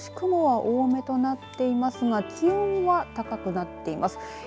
奈良も少し雲は多めとなっていますが気温は高くなっています。